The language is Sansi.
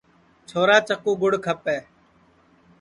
چھورا چکُو گُڑ کھپے